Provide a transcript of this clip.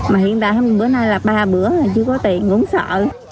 mà hiện tại bữa nay là ba bữa mà chưa có tiền cũng không sợ